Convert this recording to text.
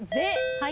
はい。